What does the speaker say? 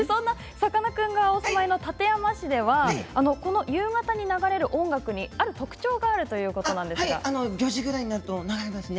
さかなクンがお住まいの館山市では夕方に流れる音楽に特徴があるそうですね。